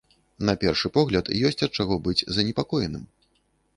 На першы погляд, ёсць ад чаго быць занепакоеным.